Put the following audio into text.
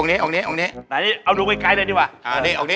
นี่เอานุ็งไว้ใกล้ดีกว่า